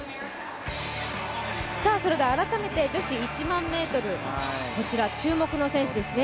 改めて女子１００００ｍ、こちら注目の選手ですね。